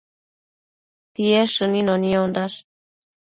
Tied shënino niondash